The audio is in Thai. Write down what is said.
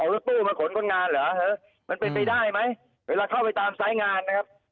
รถตู้มาขนคนงานเหรอมันเป็นไปได้ไหมเวลาเข้าไปตามสายงานนะครับ